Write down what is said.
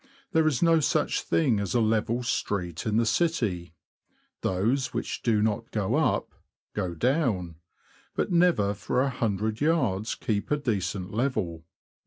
There is no such thing as a level street in the city : those which do not go up, go down, but never for a hun dred yards keep a decent level.